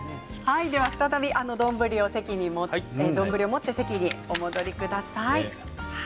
再び丼を持って席にお戻りください。